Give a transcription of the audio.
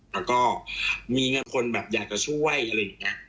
แล้วก็มีคนแบบอยากจะช่วยอะไรอย่างนี้